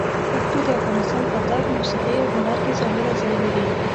پښتو د افغانستان په ادب، موسيقي او هنر کې ځانګړی ځای لري.